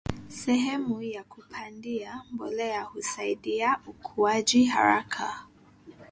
sehemu ya kupandia, mbolea husaidia ukuaji haraka